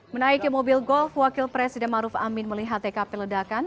menaiki mobil golf wakil presiden maruf amin melihat tkp ledakan